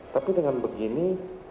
tapi dengan begini